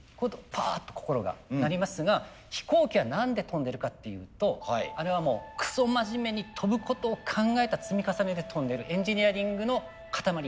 パーッと心がなりますが飛行機は何で飛んでるかっていうとあれはもうくそ真面目に飛ぶことを考えた積み重ねで飛んでるエンジニアリングの塊。